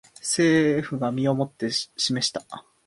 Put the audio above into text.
政府が身をもって示した